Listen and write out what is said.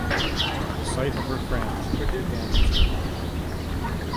The sight of her friends quickly dampens her mood.